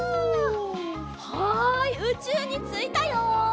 はいうちゅうについたよ。